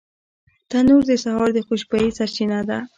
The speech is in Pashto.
تنور د سهار د خوشبویۍ سرچینه ده